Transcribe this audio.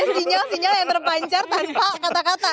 sinyal sinyal yang terpancar tanpa kata kata